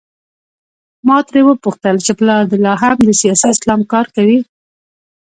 ما ترې وپوښتل چې پلار دې لا هم د سیاسي اسلام کار کوي؟